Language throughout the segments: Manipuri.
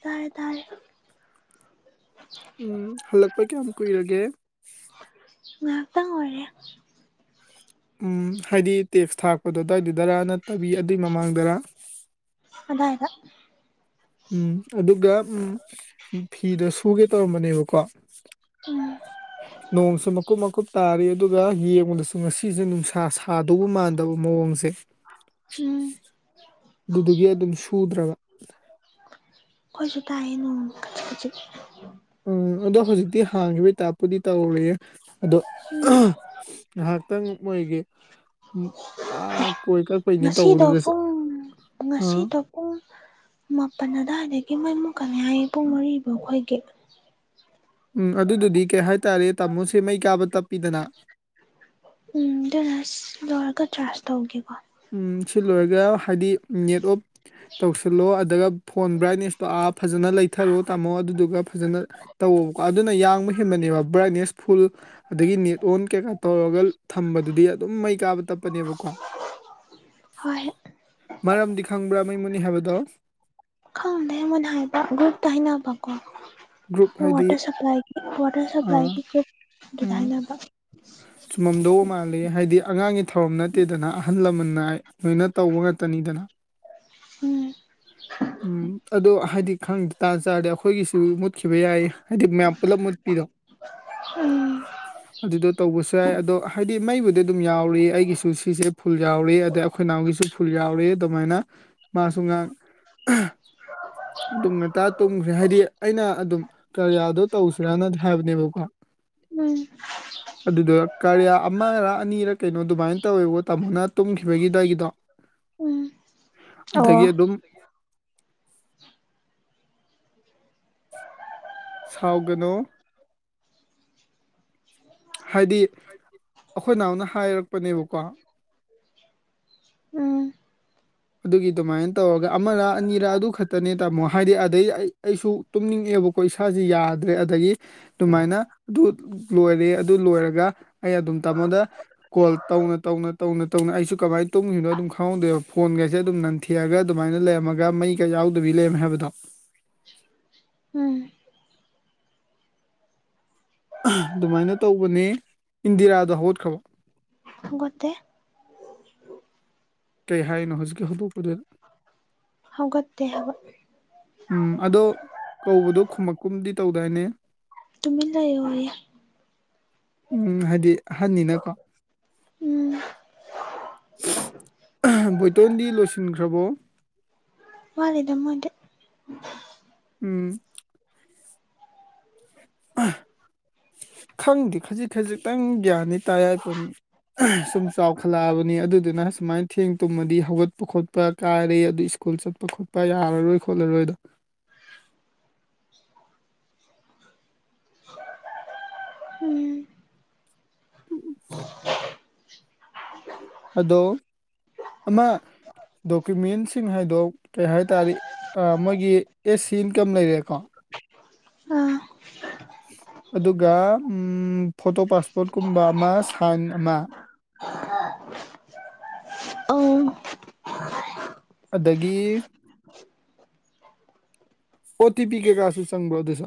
ꯇꯔꯦ ꯇꯔꯦ꯫ ꯎꯝ ꯍꯜꯂꯛꯄ ꯀꯌꯥꯝ ꯀꯨꯏꯔꯒꯦ꯫ ꯉꯥꯏꯍꯥꯛꯇꯪ ꯑꯣꯏꯔꯦ꯫ ꯎꯝ ꯍꯥꯏꯗꯤ ꯇꯦꯛꯁ ꯊꯥꯛꯄꯗꯨ ꯑꯗꯨꯋꯥꯏꯗꯨꯗꯔ ꯅꯠꯇꯕꯤ ꯑꯗꯨꯏ ꯃꯃꯥꯡꯗꯔ꯫ ꯑꯗꯩ ꯍꯣꯛ꯫ ꯎꯝ ꯑꯗꯨꯒ ꯎꯝ ꯐꯤꯗꯣ ꯁꯨꯒꯦ ꯇꯧꯔꯝꯕꯅꯦꯕꯀꯣ꯫ ꯎꯝ꯫ ꯎꯝ꯫ ꯅꯣꯡꯁꯨ ꯃꯀꯨꯞ ꯃꯀꯨꯞ ꯇꯥꯔꯤ ꯑꯗꯨꯒ ꯌꯦꯡꯕꯗꯁꯨ ꯉꯁꯤꯁꯦ ꯅꯨꯡꯁꯥ ꯁꯥꯗꯧꯕ ꯃꯥꯟꯗꯕ ꯃꯑꯣꯡꯁꯦ ꯎꯝ ꯑꯗꯨꯗꯨꯒꯤ ꯑꯗꯨꯝ ꯁꯨꯗ꯭ꯔꯕ ꯑꯩꯈꯣꯏꯁꯨ ꯇꯥꯏꯌꯦ ꯅꯅꯨꯡ ꯎꯝ ꯑꯗꯣ ꯍꯧꯖꯤꯛꯇꯤ ꯍꯥꯡꯈꯤꯕ ꯏ ꯇꯥꯏꯞꯄꯨꯗꯤ ꯇꯧꯔꯦ ꯑꯗꯣ ꯎꯝ ꯉꯥꯏꯍꯥꯛꯇꯪ ꯃꯣꯏꯒꯤ ꯑꯥ ꯀꯣꯏ ꯀꯛꯄꯩꯅꯦ ꯉꯁꯤꯗꯣ ꯇꯧꯕꯗꯨꯗꯁꯨ ꯄꯨꯡ ꯑꯥ ꯉꯁꯤꯗꯣ ꯄꯨꯡ ꯃꯥꯄꯜ ꯑꯗꯨꯗꯥꯋꯥꯏꯗꯒꯤ ꯃꯩ ꯃꯨꯛꯀꯅꯤ ꯍꯥꯏꯏꯌꯦ ꯄꯨꯡ ꯃꯔꯤꯕꯨ ꯑꯩꯈꯣꯏꯒꯤ ꯎꯝ ꯑꯗꯨꯗꯨꯗꯤ ꯀꯩ ꯍꯥꯏꯇꯥꯔꯦ ꯇꯥꯃꯣꯁꯦ ꯃꯩ ꯀꯥꯕ ꯇꯞꯄꯤꯗꯅ ꯎꯝ ꯑꯗꯨꯅ ꯂꯣꯏꯔꯒ ꯆꯔꯖ ꯇꯧꯒꯦꯀꯣ꯫ ꯁꯤ ꯂꯣꯏꯔꯒ ꯍꯥꯏꯗꯤ ꯅꯦꯠ ꯑꯣꯞ ꯇꯧꯁꯤꯜꯂꯣ ꯑꯗꯨꯒ ꯐꯣꯟ ꯕ꯭ꯔꯥꯏꯠꯅꯦꯁꯇꯣ ꯑꯞ꯫ ꯐꯖꯅ ꯂꯩꯊꯔꯣ ꯇꯥꯝꯃꯣ ꯑꯗꯨꯗꯨꯒ ꯐꯖꯅ ꯇꯧꯋꯣꯕꯀꯣ꯫ ꯑꯗꯨꯅ ꯌꯥꯡꯕ ꯍꯦꯟꯅꯅꯦꯕ ꯕ꯭ꯔꯥꯏꯠꯅꯦꯁ ꯐꯨꯜ ꯑꯗꯒꯤ ꯅꯦꯠ ꯑꯣꯟ ꯀꯩꯀꯥ꯫ ꯇꯧꯔꯒ ꯊꯝꯕꯗꯨꯗꯤ ꯑꯗꯨꯝ ꯃꯩ ꯀꯥꯕ ꯇꯞꯄꯅꯦꯕꯀꯣ꯫ ꯍꯣꯏ꯫ ꯃꯔꯝꯗꯤ ꯈꯪꯕ꯭ꯔꯥ ꯃꯩ ꯃꯨꯅꯤ ꯍꯥꯏꯕꯗꯣ꯫ ꯑꯗꯩ ꯑꯃꯅ ꯍꯪꯉꯛꯄ ꯀꯣ ꯒꯔꯨꯨꯞꯇ ꯍꯥꯏꯅꯕꯀꯣ ꯒ꯭ꯔꯨꯞ ꯍꯥꯏꯗꯤ ꯋꯥꯇꯔꯁꯄ꯭ꯂꯥꯏ ꯁꯄꯥ꯭ꯂꯏ꯫ ꯋꯥꯇꯔ ꯁꯄ꯭ꯂꯥꯏꯒꯤ ꯒꯨꯔꯞ ꯑꯗꯨꯗ ꯍꯥꯏꯅꯕ꯫ ꯆꯨꯝꯃꯝꯗꯧꯕ ꯃꯥꯜꯂꯤ ꯍꯥꯏꯗꯤ ꯑꯉꯥꯡꯒꯤ ꯊꯧꯔꯝ ꯅꯠꯇꯦꯗꯅ ꯑꯍꯜ ꯂꯃꯟꯅ ꯂꯣꯏꯅ ꯇꯧꯕ ꯉꯥꯛꯇꯅꯤꯗꯅ ꯎꯝ ꯎꯝ ꯑꯗꯣ ꯍꯥꯏꯗꯤ ꯈꯪꯗꯦ ꯗꯥꯥꯟꯁ ꯇꯥꯔꯗ ꯑꯩꯈꯣꯏꯒꯤꯁꯨ ꯃꯨꯠꯈꯤꯕ ꯌꯥꯏ ꯍꯥꯏꯗꯤ ꯃꯌꯥꯝ ꯄꯨꯂꯞ ꯃꯨꯠꯄꯤꯔꯣ ꯎꯝ ꯑꯗꯨꯗ ꯇꯧꯕꯁꯨ ꯌꯥꯏ ꯑꯗꯣ ꯍꯥꯏꯗꯤ ꯃꯩꯕꯨꯗꯤ ꯑꯗꯨꯝ ꯌꯥꯎꯔꯤ ꯑꯩꯒꯤꯁꯨ ꯁꯤꯁꯦ ꯐꯨꯜ ꯌꯥꯎꯔꯤ ꯑꯗꯩ ꯑꯩꯈꯣꯏ ꯏ ꯅꯅꯥꯎꯒꯤꯁꯨ ꯐꯨꯜ ꯌꯥꯎꯔꯤ ꯑꯗꯨꯃꯥꯏꯅ ꯃꯥꯁꯨ ꯉꯍꯥꯡ ꯑꯗꯨꯝ ꯉꯇꯥ ꯇꯨꯝꯈ꯭ꯔꯦ ꯍꯥꯏꯗꯤ ꯑꯩꯅ ꯑꯗꯨꯝ ꯀꯔꯤꯌꯥꯗꯣ ꯇꯧꯁꯤꯔꯅ ꯍꯥꯏꯕꯅꯦꯕꯀꯣ ꯎꯝ ꯑꯗꯨꯗ ꯀꯔꯤꯌꯥ ꯑꯃꯔ ꯑꯅꯤꯔ ꯀꯩꯅꯣ ꯑꯗꯨꯃꯥꯏꯅ ꯇꯧꯋꯦꯕꯣ ꯇꯥꯃꯣꯅ ꯇꯨꯝꯈꯤꯕꯒꯤꯗꯥꯏꯒꯤꯗꯣ ꯎꯝ [unintelligible] ꯑꯗꯒꯤ ꯑꯣ ꯑꯗꯨꯝ ꯁꯥꯎꯒꯅꯨ ꯍꯥꯏꯗꯤ ꯑꯩꯈꯣꯏ ꯅꯅꯥꯍꯝꯅ ꯍꯥꯏꯔꯛꯄꯅꯦꯕꯀꯣ ꯎꯝ ꯑꯗꯨꯒꯤ ꯑꯗꯨꯃꯥꯏꯅ ꯇꯧꯔꯒ ꯑꯃꯔ ꯑꯅꯤꯔꯥ ꯑꯗꯨ ꯈꯛꯇꯅꯦ ꯇꯥꯃꯣ ꯍꯥꯏꯗꯤ ꯑꯗꯩ ꯑꯩ ꯑꯩꯁꯨ ꯇꯨꯝꯅꯤꯡꯑꯦꯕꯀꯣ ꯏꯁꯥꯥꯁꯦ ꯌꯥꯗ꯭ꯔꯦ ꯑꯗꯒꯤ ꯑꯗꯨꯃꯥꯏꯅ ꯑꯗꯨ ꯂꯣꯏꯔꯦ ꯑꯗꯨ ꯂꯣꯏꯔꯒ ꯑꯩ ꯑꯗꯨꯝ ꯇꯥꯃꯣꯗ ꯀꯣꯜ ꯇꯧꯅ ꯇꯧꯅ ꯇꯧꯅ ꯇꯧꯅ ꯑꯩꯁꯨ ꯀꯃꯥꯏꯅ ꯇꯨꯝꯒꯔ꯭ꯤꯅꯣ ꯑꯗꯨꯝ ꯈꯪꯍꯧꯗꯦꯕ ꯀꯣꯟꯒꯩꯁꯦ ꯑꯗꯨꯝ ꯅꯟꯊꯦꯛꯑꯒ ꯑꯗꯨꯃꯥꯏꯅ ꯂꯩꯔꯝꯃꯒ ꯃꯩꯒ ꯌꯥꯎꯗꯕꯤ ꯂꯩꯔꯝꯃꯦ ꯍꯥꯏꯕꯗꯣ ꯎꯝ ꯑꯗꯨꯃꯥꯏꯅ ꯇꯧꯕꯅꯦ ꯏꯟꯗꯤꯔꯥꯗ ꯍꯧꯣꯠꯈ꯭ꯔꯕ ꯉꯗꯦ ꯀꯩ ꯍꯥꯏꯅꯣ ꯍꯧꯖꯤꯛꯀꯤ ꯍꯧꯗꯣꯛꯄꯗ ꯍꯒꯠꯇꯦ ꯍꯥꯏꯕ ꯎꯝ ꯑꯗꯣ ꯀꯧꯕꯗꯣ ꯈꯨꯃꯀꯨꯝꯗꯤ ꯇꯧꯗꯥꯏꯅꯦ ꯇꯨꯃꯤ ꯂꯩꯏ ꯎꯝ ꯍꯥꯏꯗꯤ ꯑꯍꯟꯅꯤꯅꯀꯣ ꯎꯝ ꯕꯣꯏꯇꯣꯟꯗꯤ ꯂꯣꯏꯁꯤꯟꯈ꯭ꯔꯕꯣ ꯃꯥꯅꯤꯗ ꯃꯗꯦ [unintelligible] ꯎꯝ ꯈꯪꯗꯦ ꯈꯖꯤꯛ ꯈꯖꯤꯛꯇꯪ ꯒ꯭ꯌꯥꯟꯗꯤ ꯇꯥꯏ ꯍꯥꯏ ꯄꯣꯅꯤ ꯁꯨꯝ ꯆꯥꯎꯈꯠꯂꯛꯑꯕꯅꯤ ꯑꯗꯨꯗꯨꯅ ꯁꯨꯃꯥꯏꯅ ꯊꯦꯡ ꯇꯨꯝꯃꯗꯤ ꯍꯧꯒꯠꯄ ꯈꯣꯠꯄ ꯀꯥꯏꯔꯦ ꯁ꯭ꯀꯨꯜ ꯆꯠꯄ ꯈꯣꯠꯄ ꯌꯥꯔꯔꯣꯏ ꯈꯣꯠꯂꯔꯣꯏ ꯎꯝ [unintelligible] ꯑꯗꯣ ꯑꯃꯥ ꯗꯣꯀꯨꯃꯦꯟꯁꯤꯡ ꯍꯥꯏꯗꯣ ꯀꯩ ꯍꯥꯏꯇꯥꯔꯦ ꯃꯣꯏꯒꯤ ꯑꯦꯁ ꯁꯤ ꯏꯟꯀꯝ ꯂꯩꯔꯦꯀꯣ ꯑꯥ ꯑꯗꯨꯒ ꯐꯣꯇꯣ ꯄꯥꯁꯄꯣꯔꯠꯀꯨꯝꯕ ꯑꯃ ꯁꯥꯏꯟ ꯑꯃ [unintelligible] ꯑꯧ ꯑꯗꯒꯤ ꯑꯣꯇꯤ ꯄꯤ ꯀꯩꯀꯥꯁꯨ ꯆꯪꯕ ꯑꯗꯨꯗꯣ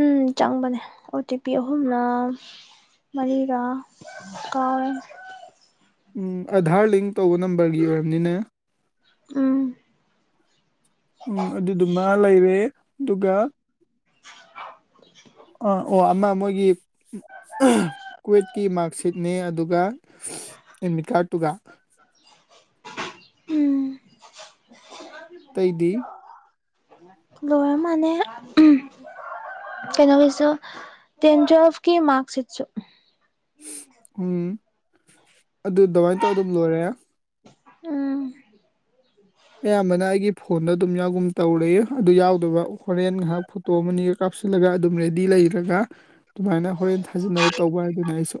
ꯎꯝ ꯆꯪꯕꯅꯦ ꯑꯣ ꯇꯤ ꯄꯤ ꯑꯍꯨꯝꯂꯥ ꯃꯔꯤꯔꯥ ꯀꯥꯎꯔꯦ ꯎꯝ ꯑꯙꯥꯔ ꯂꯤꯡ ꯇꯧꯕ ꯅꯝꯕꯔꯒꯤ ꯑꯣꯏꯔꯝꯅꯤꯅꯦ ꯎꯝ ꯎꯝ ꯑꯗꯨꯗꯨꯃ ꯂꯩꯔꯦ ꯑꯗꯨꯒ ꯑꯥ ꯑꯣ ꯑꯃ ꯃꯣꯏꯒꯤ ꯀ꯭ꯨꯋꯦꯠꯀꯤ ꯃꯥꯔꯛꯁꯤꯠꯅꯦ ꯑꯗꯨꯒ ꯑꯦꯗꯃꯤꯠ ꯀꯥꯔꯠꯇꯨꯒ ꯎꯝ [unintelligible] ꯂꯣꯏꯔꯥ ꯃꯅꯦ ꯎꯝ ꯀꯩꯅꯣꯒꯤꯁꯨ ꯇꯦꯟ ꯇꯨꯋꯦꯞ ꯀꯤ ꯃꯥꯔꯛ ꯁꯤꯠꯁꯨ ꯎꯝ ꯑꯗꯨ ꯗꯨꯃꯥꯏꯅ ꯇꯧꯔ ꯑꯗꯨꯝ ꯂꯣꯏꯔꯦ ꯎꯝ ꯑꯌꯥꯝꯕꯅ ꯑꯩꯒꯤ ꯐꯣꯟꯗ ꯑꯗꯨꯝ ꯌꯥꯎꯒꯨꯝ ꯇꯧꯔꯤ ꯑꯗꯨ ꯌꯥꯎꯗꯕ ꯍꯣꯔꯦꯟ ꯉꯥꯏꯍꯥꯛ ꯐꯣꯇꯣ ꯑꯃꯥ ꯑꯅꯤꯒ ꯀꯥꯞꯁꯤꯜꯂꯒ ꯑꯗꯨꯝ ꯔꯦꯗꯤ ꯂꯩꯔꯒ ꯑꯗꯨꯃꯥꯏꯅ ꯍꯣꯔꯦꯟ ꯊꯥꯖꯟꯅꯕ ꯇꯧꯕ ꯍꯥꯏꯗꯅ ꯑꯩꯁꯨ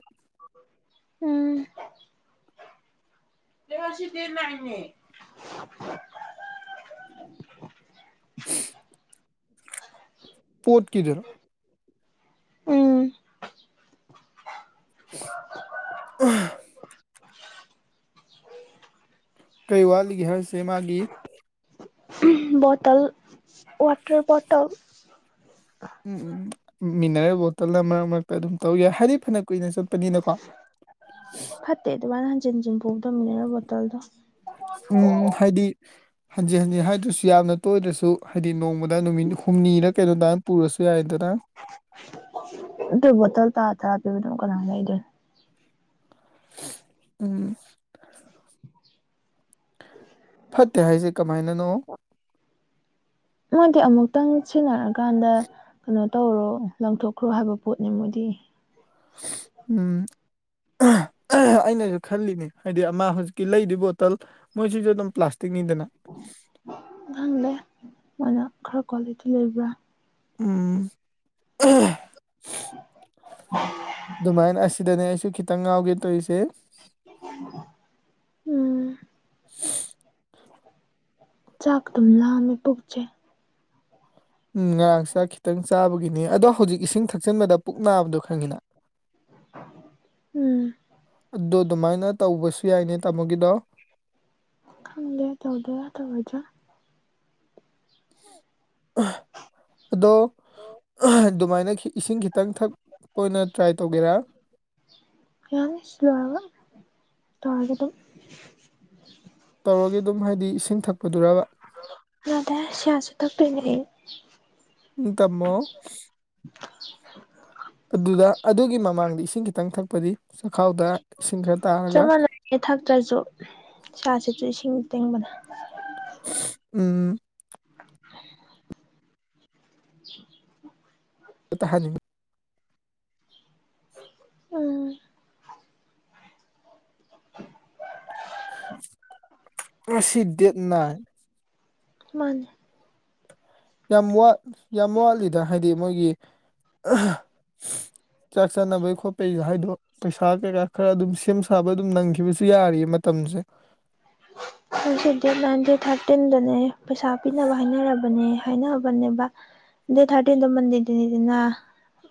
ꯎꯝ [unintelligible] ꯄꯣꯠꯀꯤꯗꯨꯔꯣ ꯎꯝ [unintelligible] ꯀꯩ ꯋꯥꯠꯂꯤꯒꯦ ꯍꯥꯏꯁꯦ ꯃꯥꯒꯤ ꯕꯣꯇꯜ ꯋꯥꯇꯔ ꯕꯣꯇꯜ ꯎꯝ ꯎꯝ ꯃꯤꯅꯔꯦꯜ ꯕꯣꯇꯜꯅ ꯃꯔꯛ ꯃꯔꯛꯇ ꯑꯗꯨꯝ ꯇꯧ ꯌꯥꯏ ꯍꯥꯏꯗꯤ ꯐꯅ ꯀꯨꯏꯅ ꯆꯠꯄꯅꯤꯅꯀꯣ ꯐꯠꯇꯦ ꯑꯗꯨꯃꯥꯏꯅ ꯍꯟꯖꯤꯟ ꯍꯖꯤꯟ ꯄꯨꯕꯗꯣ ꯃꯤꯟꯅꯔꯦꯜ ꯕꯣꯇꯜꯗꯣ ꯎꯝ ꯍꯥꯏꯗꯤ ꯍꯟꯖꯤ ꯍꯟꯖꯤ ꯍꯥꯏꯗ꯭ꯔꯁꯨ ꯌꯥꯝꯅ ꯇꯣꯏꯗ꯭ꯔꯁꯨ ꯍꯥꯏꯗꯤ ꯅꯣꯡꯃꯗ ꯅꯨꯃꯤꯠ ꯍꯨꯝꯅꯤꯔꯥ ꯀꯩꯅꯣ ꯗꯨꯃꯥꯏꯟ ꯄꯨꯔꯁꯨ ꯌꯥꯏꯗꯅ ꯑꯗꯨ ꯕꯣꯇꯜ ꯇꯔꯥ ꯇꯔꯥ ꯄꯤꯕꯗꯨꯕꯨ ꯀꯅꯥꯟ ꯂꯩꯗꯣꯏꯅꯣ ꯎꯝ ꯐꯠꯇꯦ ꯍꯥꯏꯁꯦ ꯀꯃꯥꯏꯅꯅꯣ ꯃꯣꯏꯗꯤ ꯑꯃꯨꯛꯇꯪ ꯁꯤꯟꯅꯔꯀꯥꯟꯗ ꯀꯩꯅꯣ ꯇꯧꯔꯣ ꯂꯪꯊꯣꯛꯈ꯭ꯔꯣ ꯍꯥꯏꯕ ꯄꯣꯠꯅꯤ ꯃꯣꯏꯗꯤ ꯎꯝ [unintelligible] ꯑꯩꯅꯁꯨ ꯈꯜꯂꯤꯅꯦ ꯍꯥꯏꯗꯤ ꯑꯃ ꯍꯧꯖꯤꯛꯀꯤ ꯂꯩꯗꯧ ꯕꯣꯇꯜ ꯃꯣꯏꯁꯨꯁꯨ ꯑꯗꯨꯝ ꯄ꯭ꯂꯥꯁꯇꯤꯛꯅꯤꯗꯅ ꯈꯪꯗꯦ ꯃꯣꯏꯅ ꯈꯔ ꯀ꯭ꯋꯥꯂꯤꯇꯤ ꯂꯩꯕ꯭ꯔ ꯎꯝ [unintelligible] [unintelligible] ꯑꯗꯨꯃꯥꯏꯅ ꯑꯁꯤꯗꯅꯦ ꯑꯩꯁꯨ ꯈꯤꯇꯪ ꯉꯥꯎꯒꯦ ꯇꯧꯔꯤꯁꯦ ꯎꯝ ꯆꯥꯛ ꯇꯨꯝ ꯂꯥꯝꯃꯦ ꯄꯨꯛꯆꯦ ꯎꯝ ꯉꯔꯥꯡ ꯆꯥꯛ ꯈꯤꯇꯪ ꯆꯥꯕꯒꯤꯅꯤ ꯑꯗꯣ ꯍꯧꯖꯤꯛ ꯏꯁꯤꯡ ꯊꯛꯆꯟꯕꯗ ꯄꯨꯛ ꯅꯥꯕꯗ ꯈꯪꯉꯤꯅ [inaudible] ꯎꯝ ꯑꯗꯨ ꯑꯗꯨꯃꯥꯏꯅ ꯇꯧꯕꯁꯨ ꯌꯥꯏꯅꯦ ꯇꯥꯃꯣꯒꯤꯗꯣ ꯈꯪꯗꯦ ꯇꯧꯗꯣꯏꯔꯥ ꯇꯧꯔꯣꯏꯗ꯭ꯔꯥ ꯑꯗꯣ ꯑꯗꯨꯃꯥꯏꯅꯈꯤ ꯏꯁꯤꯡ ꯈꯤ ꯈꯤꯇꯪ ꯊꯛꯄ ꯑꯣꯏꯅ ꯇ꯭ꯔꯥꯏ ꯇꯧꯒꯦꯔꯥ ꯌꯥꯅꯤ ꯁꯤ ꯂꯣꯏꯔꯒ ꯇꯧꯔꯒꯦ ꯑꯗꯨꯝ ꯇꯧꯔꯒꯦ ꯑꯗꯨꯝ ꯍꯥꯏꯗꯤ ꯏꯁꯤꯡ ꯊꯛꯄꯗꯨꯔꯕ ꯅꯠꯇꯦ ꯁꯤꯌꯥꯁꯨꯠ ꯊꯛꯇꯣꯏꯅꯦ ꯑꯩ [unintelligible] ꯇꯝꯃꯣ ꯑꯗꯨꯗ ꯑꯗꯨꯒꯤ ꯃꯃꯥꯡꯗ ꯏꯁꯤꯡ ꯈꯤꯇꯪ ꯊꯛꯄꯗꯤ ꯆꯥꯛꯈꯥꯎꯗ ꯏꯁꯤꯡ ꯈꯔ ꯆꯞ ꯇꯥꯔꯒ ꯃꯥꯟꯅꯩꯌꯦ ꯊꯛꯇ꯭ꯔꯁꯨ ꯆꯤꯌꯥ ꯁꯤꯗꯇꯨ ꯏꯁꯤꯡ ꯇꯤꯡꯕꯅꯦ ꯎꯝ [unintelligible] [unintelligible] ꯎꯝ ꯉꯁꯤ ꯗꯦꯠ ꯅꯥꯏꯟ ꯃꯥꯅꯤ ꯌꯥꯝ ꯋꯥꯠ ꯌꯥꯝ ꯋꯥꯠꯂꯤꯗ ꯍꯥꯏꯗꯤ ꯃꯣꯏꯒꯤ ꯆꯥꯛ ꯆꯥꯅꯕꯩ ꯈꯣꯠꯄꯩ ꯍꯥꯏꯗꯣ ꯄꯩꯁꯥ ꯀꯩꯀꯥ ꯈꯔ ꯑꯗꯨꯝ ꯁꯦꯝ ꯁꯥꯕ ꯑꯗꯨꯝ ꯅꯪꯈꯤꯕꯁꯨ ꯌꯥꯔꯤꯌꯦ ꯃꯇꯝꯁꯦ [inaudible] ꯑꯩꯁꯦ ꯗꯦꯠ ꯅꯥꯏꯟꯇꯤꯟ ꯊꯥꯔꯇꯤꯟꯗꯅꯦ ꯄꯩꯁꯥ ꯄꯤꯅꯕ ꯍꯥꯏꯅꯔꯕꯅꯦ ꯍꯥꯏꯅꯕꯅꯦꯕ ꯗꯦꯠ ꯊꯥꯔꯇꯤꯟꯗꯣ ꯃꯟꯗꯦꯗꯅꯤꯗꯅ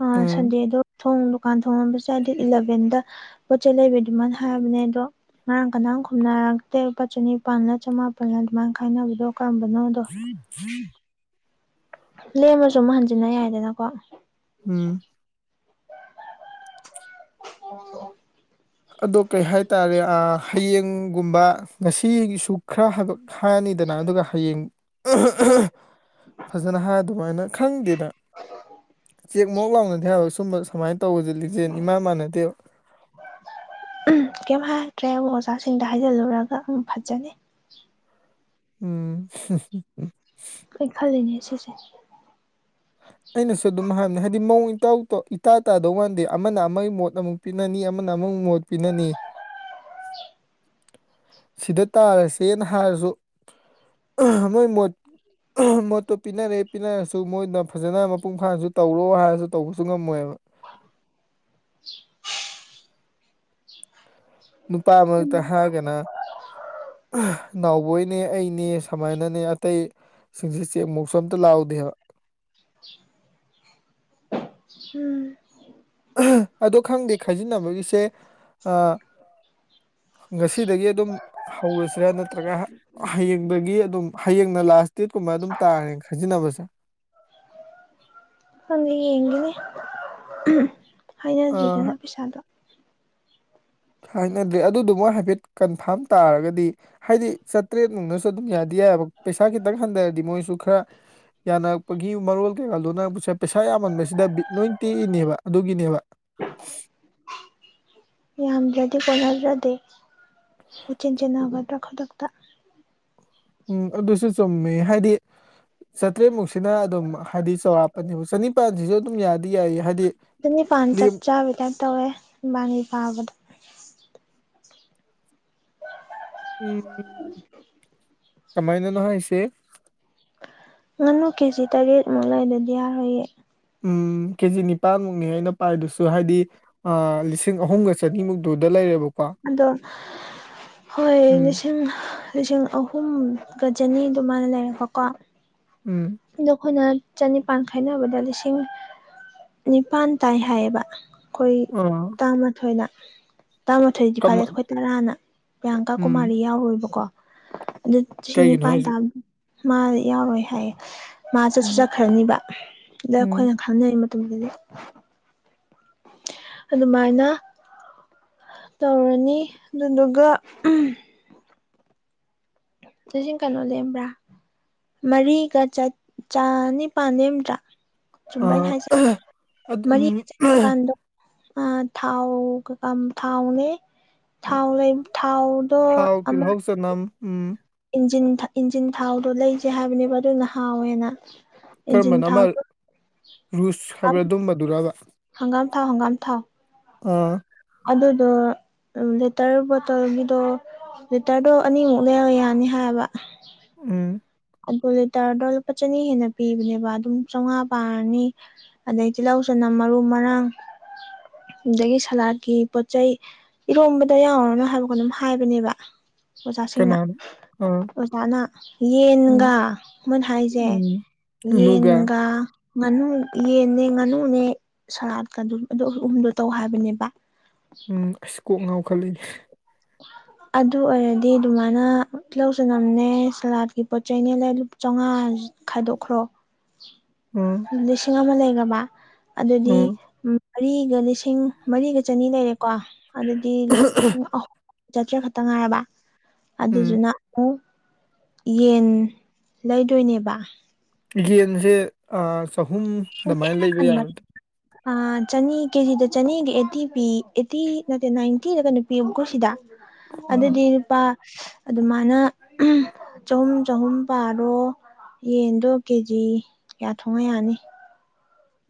ꯑꯥ ꯎꯝ ꯁꯟꯗꯦꯗꯨ ꯊꯣꯡ ꯗꯨꯀꯥꯟ ꯊꯣꯡꯂꯣꯟꯕꯁꯨ ꯌꯥꯏ ꯗꯦꯠ ꯏꯂꯚꯦꯟꯗ ꯄꯣꯠ ꯆꯩ ꯂꯩꯕꯩ ꯗꯨꯃꯥꯏꯅ ꯍꯥꯏꯕꯅꯦ ꯑꯗꯣ ꯉꯔꯥꯡ ꯀꯅꯥꯝ ꯈꯨꯝꯅꯔꯛ ꯇꯦ ꯂꯨꯄꯥ ꯆꯅꯤꯄꯥꯜꯂ ꯆꯥꯃꯥꯄꯜꯂ ꯑꯗꯨꯃꯥꯏꯅ ꯈꯥꯏꯅꯕꯗꯣ ꯀꯔꯝꯕꯅꯣꯗꯣ [inaudible] ꯂꯦꯝꯃꯁꯨ ꯑꯃꯨꯛ ꯍꯟꯖꯤꯟꯅ ꯌꯥꯏꯗꯅꯀꯣ ꯎꯝ [inaudible] [inaudible] ꯑꯗꯣ ꯀꯩ ꯍꯥꯏꯇꯥꯔꯦ ꯑꯥ ꯍꯌꯦꯡꯒꯨꯝꯕ ꯉꯁꯤꯒꯤꯁꯨ ꯈꯔ ꯍꯥꯏꯕꯛ ꯐꯥꯅꯤꯗꯅ ꯑꯗꯨꯒ ꯍꯌꯦꯡ ꯐꯖꯅ ꯍꯥꯏ ꯑꯗꯨꯃꯥꯏꯅ ꯈꯪꯗꯦꯗ ꯆꯦꯛ ꯃꯣꯛ ꯂꯥꯎꯅꯗꯦ ꯍꯥꯏꯕ ꯁꯨꯝꯕ ꯁꯨꯃꯥꯏꯅ ꯇꯧꯕꯁꯦ ꯂꯤꯡꯖꯦꯟ ꯏꯃꯥꯟ ꯃꯥꯟꯅꯗꯦꯕ ꯎꯝ ꯀꯩꯝ ꯍꯥꯏꯔꯛꯇ꯭ꯔꯦꯕꯨ ꯑꯣꯖꯥꯁꯤꯡꯗ ꯍꯥꯏꯖꯤꯜꯂꯨꯔꯒ ꯎꯝ ꯐꯖꯅꯤ ꯎꯝ [unintelligible] ꯑꯩ ꯈꯜꯂꯤꯅꯦ ꯁꯤꯁꯦ ꯑꯩꯅꯁꯨ ꯑꯗꯨꯝ ꯍꯥꯏꯕꯅꯦ ꯍꯥꯏꯗꯤ ꯃꯑꯣꯡ ꯏꯇꯧ ꯇꯧ ꯏꯇꯥ ꯇꯥꯗꯧ ꯃꯥꯟꯗꯦ ꯑꯃꯅ ꯑꯃꯒꯤ ꯃꯣꯠ ꯑꯃꯨꯛ ꯄꯤꯅꯅꯤ ꯑꯃꯅ ꯑꯃꯨꯛ ꯃꯣꯠ ꯄꯤꯅꯅꯤ [inaudible] ꯁꯤꯗ ꯇꯥꯔꯁꯦꯅ ꯍꯥꯏꯔꯁꯨ ꯃꯣꯏ ꯃꯣꯠ ꯃꯣꯠꯇꯣ ꯄꯤꯅꯔꯦ ꯄꯤꯅꯔꯁꯨ ꯃꯣꯏꯅ ꯐꯖꯅ ꯃꯄꯨꯡ ꯐꯥꯅꯁꯨ ꯇꯧꯔꯣ ꯍꯥꯏꯔꯁꯨ ꯇꯧꯕꯁꯨ ꯉꯝꯃꯣꯏꯕ ꯅꯨꯄꯥ ꯎꯝ ꯃꯔꯛꯇ ꯍꯥꯏꯔꯒꯅ ꯅꯥꯎꯕꯣꯏꯅꯦ ꯑꯩꯅꯦ ꯁꯨꯃꯥꯏꯅꯅꯦ ꯑꯇꯩ ꯁꯤꯡꯁꯤ ꯆꯦꯛ ꯃꯣꯛꯁꯨ ꯑꯝꯇ ꯂꯥꯎꯗꯦ ꯍꯥꯏꯕ ꯎꯝ ꯑꯗꯣ ꯈꯪꯗꯦ ꯈꯥꯏꯖꯤꯟꯅꯕꯒꯤꯁꯦ ꯑꯥ ꯉꯁꯤꯗꯒꯤ ꯑꯗꯨꯝ ꯍꯧꯔꯁꯤꯔꯥ ꯅꯠꯇ꯭ꯔꯒ ꯍꯌꯦꯡꯗꯒꯤ ꯑꯗꯨꯝ ꯍꯌꯦꯡꯅ ꯂꯥꯁ ꯗꯦꯠꯀꯨꯝꯕ ꯑꯗꯨꯝ ꯇꯥꯔꯦ ꯈꯥꯏꯖꯤꯟꯅꯕꯁꯦ ꯈꯪꯗꯦ ꯌꯦꯡꯒꯤꯅꯤ ꯑ ꯍꯥꯏꯅꯗꯔ꯭ꯤꯗꯅ ꯄꯩꯁꯥꯗꯣ ꯍꯥꯏꯅꯗ꯭ꯔꯦ ꯑꯗꯨꯗꯣ ꯃꯣꯏ ꯍꯥꯏꯐꯦꯠ ꯀꯟꯐꯥꯔꯝ ꯇꯥꯔꯒꯗꯤ ꯍꯥꯏꯗꯤ ꯆꯥꯇ꯭ꯔꯦꯠꯃꯨꯡꯅꯁꯨ ꯑꯗꯨꯝ ꯌꯥꯗꯤ ꯌꯥꯏꯕ ꯄꯩꯁꯥ ꯈꯤꯇꯪ ꯍꯟꯗꯔꯗꯤ ꯃꯣꯏꯁꯨ ꯈꯔ ꯌꯥꯅꯔꯛꯄꯒꯤ ꯃꯔꯣꯜ ꯀꯩꯀꯥ ꯂꯣꯟꯅꯔꯛꯄꯁꯦ ꯄꯩꯁꯥ ꯌꯥꯝꯃꯟꯕꯁꯤꯗ ꯕꯤꯠ ꯂꯣꯏ ꯇꯦꯛꯏꯅꯦꯕ ꯑꯗꯨꯒꯤꯅꯦꯕ [unintelligible] ꯌꯥꯝꯗ꯭ꯔꯗꯤ ꯀꯣꯟꯅꯗ꯭ꯔꯗꯤ ꯀꯣꯆꯦꯟ ꯆꯦꯟꯅꯒꯗ꯭ꯔꯥ ꯈꯨꯗꯛꯇ ꯎꯝ ꯑꯗꯨꯁꯨ ꯆꯨꯝꯃꯦ ꯍꯥꯏꯗꯤ ꯆꯇ꯭ꯔꯦꯠꯃꯨꯛꯁꯤꯅ ꯑꯗꯨꯝ ꯍꯥꯏꯗꯤ ꯆꯥꯎꯔꯥꯛꯄꯅꯤꯕ ꯆꯅꯤꯄꯥꯟꯖꯤꯖꯨ ꯑꯗꯨꯝ ꯌꯥ ꯆꯅꯤꯄꯥꯟ ꯆꯞ ꯆꯥꯕꯩ ꯇꯥꯏꯞ ꯇꯧꯋꯦ ꯏꯕꯥꯅꯤ ꯄꯥꯕꯗ ꯎꯝ ꯀꯃꯥꯏꯅꯅꯦ ꯍꯥꯏꯁꯦ ꯉꯥꯅꯨ ꯀꯦꯖꯤ ꯇꯔꯦꯠꯃꯨꯛ ꯂꯩꯗꯗꯤ ꯌꯥꯔꯣꯏꯌꯦ ꯎꯝ ꯀꯦꯖꯤ ꯅꯤꯄꯥꯟꯃꯨꯛꯅꯤ ꯑꯩꯅ ꯄꯥꯏꯗꯨꯁꯨ ꯍꯥꯏꯗꯤ ꯑꯥꯥ ꯂꯤꯁꯤꯡ ꯑꯍꯨꯝꯒ ꯆꯅꯤꯃꯨꯛ ꯗꯨꯗ ꯂꯩꯔꯦꯕ ꯑꯗꯣ ꯍꯣꯏ ꯎꯝ ꯂꯤꯁꯤꯡ ꯂꯤꯁꯤꯡ ꯑꯍꯨꯝꯒ ꯆꯅꯤ ꯑꯗꯨꯃꯥꯏꯅ ꯂꯩꯔꯦꯕꯀꯣ ꯎꯝ ꯑꯗꯣ ꯑꯩꯈꯣꯏꯅ ꯆꯅꯤꯄꯥꯟ ꯈꯥꯏꯅꯕꯗ ꯂꯤꯁꯤꯡ ꯅꯤꯄꯥꯟ ꯇꯥꯏ ꯍꯥꯏꯌꯦꯕ ꯈꯣꯏ ꯑ ꯇꯥꯃꯥꯊꯣꯏꯅ ꯇꯥꯃ ꯊꯣꯏꯗꯤ ꯐꯥꯗꯦ ꯀꯃ ꯈꯣꯏ ꯇꯔꯥꯅ ꯄ꯭ꯔꯤꯌꯥꯡꯀꯥ ꯎꯝ ꯀꯨꯃꯥꯔꯤ ꯌꯥꯎꯔꯣꯏꯕꯀꯣ ꯑꯗꯨ ꯆꯍꯤ ꯀꯩꯒꯤꯅꯣ ꯅꯤꯄꯥꯟ ꯍꯥꯏꯁꯦ ꯇꯥꯕ ꯃꯥ ꯌꯥꯎꯔꯣꯏ ꯍꯥꯏꯌꯦ ꯃꯥ ꯆꯠꯁꯨ ꯎꯝ ꯆꯠꯈ꯭ꯔꯅꯤꯕ ꯑꯗ ꯎꯝ ꯑꯈꯣꯏꯅ ꯈꯟꯅꯔꯤ ꯃꯇꯝꯗꯗꯤ ꯑꯗꯨꯃꯥꯏꯅ ꯇꯧꯔꯅꯤ ꯑꯗꯨꯗꯨꯒ [unintelligible] ꯀꯅꯣ ꯂꯦꯝꯕ꯭ꯔꯥ ꯃꯔꯤꯒ ꯆꯠ ꯆꯥꯅꯤꯄꯥꯟ ꯅꯦꯝꯗ꯭ꯔꯥ ꯆꯨꯝꯕꯔꯥ ꯑꯩꯅꯥ ꯑꯥ ꯍꯥꯏꯖꯦ ꯑꯗꯨꯝ ꯃꯔꯤꯒ ꯆꯅꯤꯄꯥꯟꯗꯣ ꯑ ꯊꯥꯎ ꯀꯀꯝ ꯊꯥꯎꯅꯦ ꯊꯥꯎ ꯂꯩ ꯊꯥꯎ ꯊꯥꯎ ꯇꯤꯜꯍꯧ ꯆꯅꯝ ꯎꯝ ꯏꯟꯖꯤꯟ ꯊ ꯏꯟꯖꯤꯟ ꯊꯥꯎꯗꯣ ꯂꯩꯖꯦ ꯍꯥꯏꯕꯅꯦꯕ ꯑꯗꯨꯅ ꯍꯥꯎꯋꯦꯅ ꯏꯟꯖꯤꯟ ꯀꯔꯝꯕꯅꯣ ꯑꯃ ꯊꯥꯎꯗꯣ ꯔꯨꯁ ꯍꯥꯏꯕꯥ ꯑꯗꯨꯝꯕꯗꯨꯔꯕ ꯍꯪꯒꯥꯝ ꯊꯥꯎ ꯍꯪꯒꯥꯝ ꯊꯥꯎ ꯑꯥ ꯑꯗꯨꯗꯣ ꯂꯦꯇꯔ ꯕꯣꯇꯜꯒꯤꯗꯣ ꯂꯤꯇꯔꯗꯣ ꯑꯅꯤꯃꯨꯛ ꯂꯩꯔꯒ ꯌꯥꯅꯤ ꯍꯥꯏꯕ ꯎꯝ ꯑꯗꯣ ꯂꯤꯇꯔꯗꯣ ꯂꯨꯄꯥ ꯆꯅꯤ ꯍꯦꯟꯅ ꯄꯤꯕꯅꯦꯕ ꯑꯗꯨꯝ ꯆꯧꯉꯥ ꯄꯥꯔꯅꯤ ꯑꯗꯩ ꯇꯤꯜꯍꯧ ꯆꯅꯝ ꯃꯔꯨ ꯃꯔꯥꯡ ꯑꯗꯒꯤ ꯁꯂꯥꯠꯀꯤ ꯄꯣꯠ ꯆꯩꯩ ꯏꯔꯣꯝꯕꯗ ꯌꯥꯎꯔꯣꯅꯨ ꯍꯥꯏꯕ꯭ꯔꯥ ꯀꯩꯅꯣꯝ ꯍꯥꯏꯕꯅꯦꯕ ꯑꯣꯖꯥꯁꯤꯡꯅ ꯀꯅꯥꯅꯣ ꯑꯥ ꯑꯣꯖꯥꯅ ꯏꯟꯒꯥ ꯎꯝ ꯃꯣꯏꯅ ꯍꯥꯏꯖꯦ ꯎꯝ ꯉꯥꯅꯨꯒ ꯌꯦꯟꯒ ꯑꯥ ꯉꯅꯨ ꯌꯦꯟꯅꯦ ꯉꯅꯨꯅꯦ ꯁꯂꯥꯠꯀ ꯑꯗꯨꯝ ꯑꯗꯨ ꯑꯍꯨꯝꯗꯣ ꯇꯧ ꯍꯥꯏꯕꯅꯦꯕ ꯎꯝ ꯑꯁ ꯀꯣꯛ ꯉꯥꯎꯈꯠꯂꯦꯅꯦ [inaudible] ꯑꯗꯨ ꯑꯣꯏꯔꯗꯤ ꯗꯨꯃꯥꯏꯅ ꯇꯤꯂꯧ ꯆꯅꯝꯅꯦ ꯁꯂꯥꯠꯀꯤ ꯄꯣꯠ ꯆꯩꯅꯦ ꯂꯩ ꯂꯨꯞꯄ ꯆꯧꯉꯥ ꯈꯥꯏꯗꯣꯛꯈ꯭ꯔꯣ ꯎꯝ ꯂꯤꯁꯤꯡ ꯑꯃ ꯂꯩꯒꯔꯥꯕ ꯑꯗꯨꯗꯤ ꯎꯝ ꯃꯔꯤꯒ ꯂꯤꯁꯤꯡ ꯁꯤꯡ ꯃꯔꯤꯒ ꯆꯅꯤ ꯂꯩꯔꯦꯀꯣ ꯑꯗꯨꯗꯤ ꯂꯤꯁꯤꯡ ꯑꯍꯨꯝ ꯆꯇ꯭ꯔꯦꯠ ꯈꯠꯇ ꯉꯥꯏꯔꯕ ꯎꯝ ꯑꯗꯨꯗꯨꯅ ꯎꯝ ꯌꯦꯟ ꯂꯩꯗꯣꯏꯅꯦꯕ ꯌꯦꯟꯖꯦ ꯑ ꯆꯍꯨꯝ ꯑꯗꯨꯃꯥꯏ ꯂꯩꯕ ꯌꯥꯕꯅꯤ ꯑ ꯆꯅꯤ ꯀꯦꯖꯤꯗ ꯆꯅꯤꯒꯤ ꯑꯩꯠꯇꯤ ꯄꯤ ꯑꯩꯠꯇꯤ ꯅꯠꯇꯦ ꯅꯥꯏꯟꯇꯤꯗ ꯀꯩꯅꯣ ꯄꯤꯕꯀꯣꯁꯤꯗ ꯑꯥ ꯑꯗꯨꯗꯤ ꯂꯨꯄꯥ ꯑꯗꯨꯃꯥꯏꯅ ꯆꯍꯨꯝ- ꯆꯍꯨꯝ ꯄꯥꯔꯣ ꯌꯦꯟꯗꯣ ꯀꯦꯖꯤ ꯀꯌꯥ ꯊꯣꯡꯉ ꯌꯥꯅꯤ?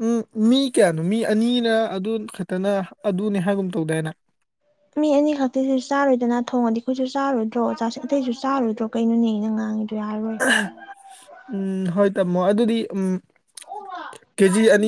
ꯎꯝ ꯃꯤ ꯀꯌꯥꯅꯣ ꯃꯤ ꯑꯅꯤꯅ ꯑꯗꯨ ꯈꯛꯇꯅ ꯑꯗꯨꯅꯦ ꯍꯥꯏꯒꯨꯝ ꯇꯧꯗꯥꯏꯅꯦ? ꯃꯤ ꯑꯅꯤ ꯈꯛꯇꯤꯁꯨ ꯆꯥꯔꯣꯏꯗꯅ ꯊꯣꯡꯉꯗꯤ ꯑꯩꯈꯣꯏꯁꯨ ꯆꯥꯔꯣꯏꯗ꯭ꯔꯣ ꯑꯇꯩꯁꯨ ꯆꯥꯔꯣꯏꯗ꯭ꯔꯣ ꯀꯩꯅꯣꯅꯦ ꯅꯪ ꯉꯥꯡꯉꯤ [unintelligible] ꯎꯝ ꯍꯣꯏ ꯇꯝꯃꯣ ꯑꯗꯨꯗꯤ ꯎꯝ ꯀꯦꯖꯤ ꯑꯅꯤ